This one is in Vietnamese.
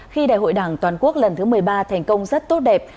khi đại hội đảng toàn quốc lần thứ một mươi ba thành công rất tốt đẹp